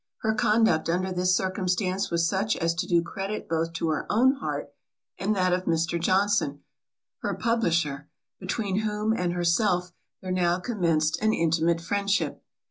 Her conduct under this circumstance was such as to do credit both to her own heart, and that of Mr. Johnson, her publisher, between whom and herself there now commenced an intimate friendship.